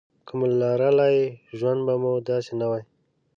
که مو لرلای ژوند به مو داسې نه وای.